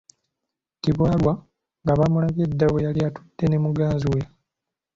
Tebaalwa nga baamulabye dda we yali attude ne muganzi we.